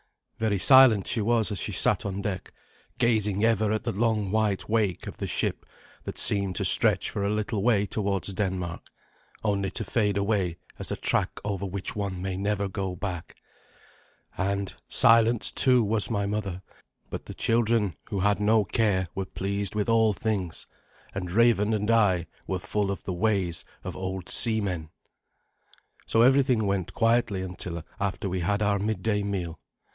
Very silent was she as she sat on deck gazing ever at the long white wake of the ship that seemed to stretch for a little way towards Denmark, only to fade away as a track over which one may never go back. And silent, too, was my mother; but the children, who had no care, were pleased with all things, and Raven and I were full of the ways of old seamen. So everything went quietly until after we had our midday meal.